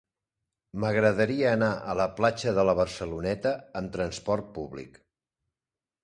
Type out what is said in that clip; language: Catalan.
M'agradaria anar a la platja de la Barceloneta amb trasport públic.